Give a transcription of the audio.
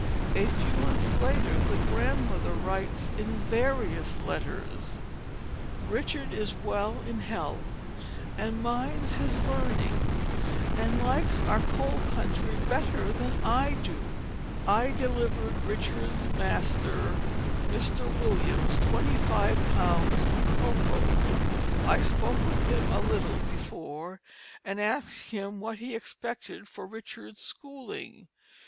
A few months later the grandmother writes in various letters: "Richard is well in health, and minds his Learning and likes our Cold country better than I do.... I delivered Richard's Master, Mr. Williams, 25 lbs. Cocoa. I spoke with him a little before and asked him what he expected for Richard's schooling.